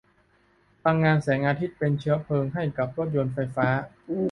พลังงานแสงอาทิตย์เป็นเชื้อเพลิงให้กับรถยนต์ไฟฟ้า